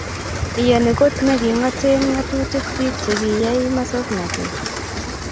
Iyanii kot ne kingatee ng'atutik biik chekiyai masongnatet